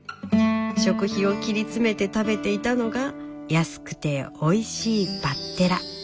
食費を切り詰めて食べていたのが安くておいしいバッテラ。